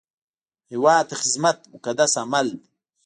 هیواد ته خدمت مقدس عمل دی